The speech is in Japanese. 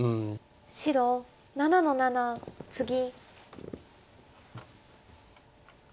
白７の七ツギ。